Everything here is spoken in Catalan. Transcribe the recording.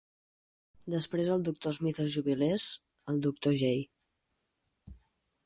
Després el doctor Smith es jubilés, el doctor J.